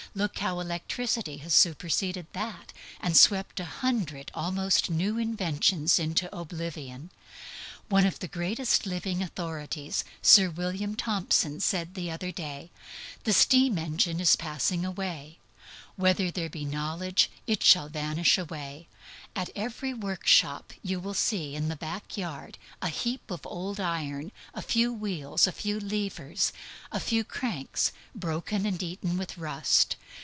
Look how electricity has superseded that, and swept a hundred almost new inventions into oblivion. One of the greatest living authorities, Sir William Thompson, said in Scotland, at a meeting at which I was present, "The steam engine is passing away." "Whether there be knowledge, it shall vanish away." At every workshop you will see, in the back yard, a heap of old iron, a few wheels, a few levers, a few cranks, broken and eaten with rust.